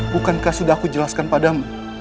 bukankah sudah aku jelaskan pada mas